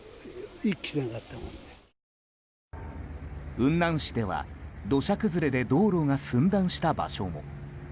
雲南市では土砂崩れで道路が寸断した場所も。